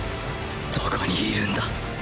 どこにいるんだ